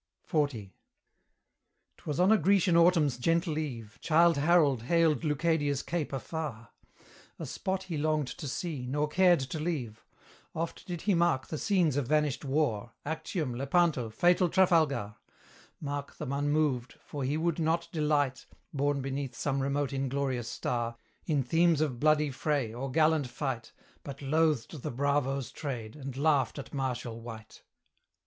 XL. 'Twas on a Grecian autumn's gentle eve, Childe Harold hailed Leucadia's cape afar; A spot he longed to see, nor cared to leave: Oft did he mark the scenes of vanished war, Actium, Lepanto, fatal Trafalgar: Mark them unmoved, for he would not delight (Born beneath some remote inglorious star) In themes of bloody fray, or gallant fight, But loathed the bravo's trade, and laughed at martial wight.